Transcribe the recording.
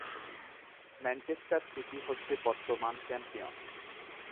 Manchester City হচ্ছে বর্তমান champion.